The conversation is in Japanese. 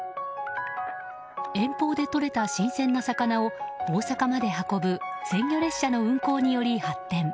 遠方でとれた新鮮な魚を大阪まで運ぶ鮮魚列車の運行により発展。